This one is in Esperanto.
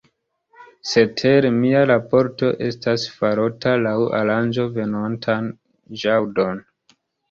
Cetere, mia raporto estas farota laŭ aranĝo venontan ĵaŭdon.